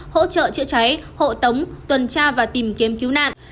hỗ trợ chữa cháy hộ tống tuần tra và tìm kiếm cứu nạn